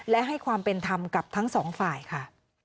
และให้ความเป็นธรรมกับทั้งสองฝ่ายค่ะ